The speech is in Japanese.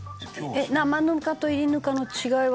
生ぬかと炒りぬかの違いは？